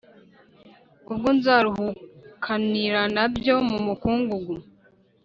ubwo nzaruhukanira na byo mu mukungugu